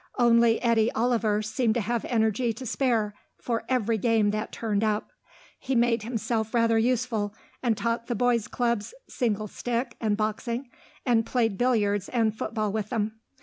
Only Eddy Oliver seemed to have energy to spare for every game that turned up. He made himself rather useful, and taught the boys' clubs single stick and boxing, and played billiards and football with them.